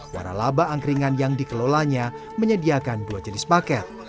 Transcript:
waralaba angkringan yang dikelolanya menyediakan dua jenis paket